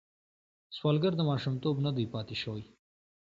سوالګر ته ماشومتوب نه دی پاتې شوی